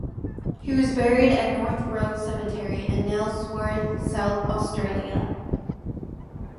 He was buried at North Road Cemetery in Nailsworth, South Australia.